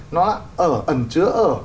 nó ẩn chứa ở